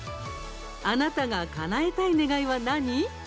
あなたがかなえたい願いは何？